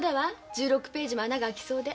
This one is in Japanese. １６ページも穴があきそうで。